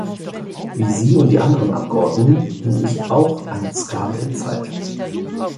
Wie Sie und die anderen Abgeordneten bin auch ich ein Sklave der Zeit.